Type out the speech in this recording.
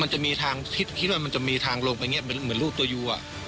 มันจะมีทางคิดว่ามันจะมีทางลงไปอย่างนี้เหมือนลูกตัวยูอ่ะ